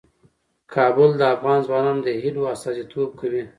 کابل د افغان ځوانانو د هیلو استازیتوب کوي.